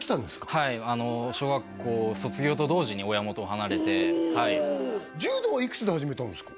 はい小学校卒業と同時に親元を離れて柔道はいくつで始めたんですか？